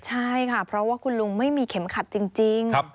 ใช่ค่ะเพราะว่าคุณลุงไม่สมบัติตี